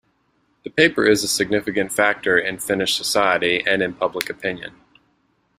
The paper is a significant factor in Finnish society and in public opinion.